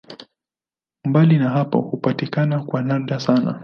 Mbali na hapo hupatikana kwa nadra sana.